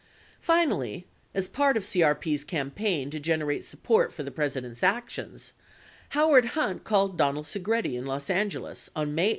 50 Finally, as part of CRP's campaign to generate support for the President's actions, Howard Hunt called Donald Segretti in Los Angeles on May 8, 1972.